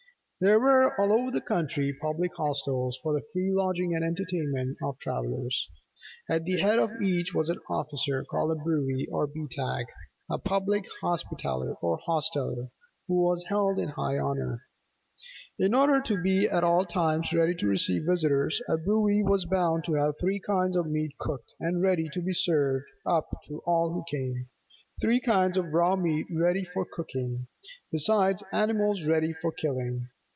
There were all over the country Public Hostels for the free lodging and entertainment of travellers. At the head of each was an officer called a Brewy or Beetagh, a public hospitaller or hosteller, who was held in high honour. In order to be at all times ready to receive visitors, a brewy was bound to have three kinds of meat cooked and ready to be served up to all who came; three kinds of raw meat ready for cooking; besides animals ready for killing.